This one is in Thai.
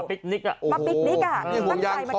ปะปิ๊กนิก